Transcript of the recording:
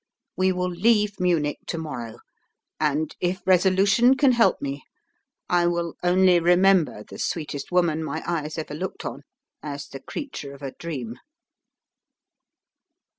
We will leave Munich to morrow, and, if resolution can help me, I will only remember the sweetest woman my eyes ever looked on as the creature of a dream."